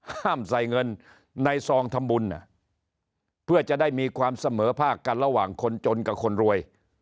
ห้ามใส่เงินในซองทำบุญเพื่อจะได้มีความเสมอภาคกันระหว่างคนจนกับคนรวย